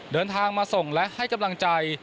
เดินทางมาส่งและให้กำลังใจ